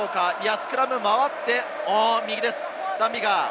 スクラム、回って右です。